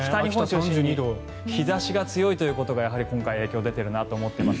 日差しが強いということが今回影響が出ているなと思っています。